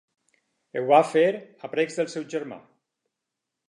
Ho va fer a precs del seu germà.